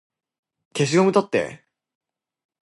消しゴム取って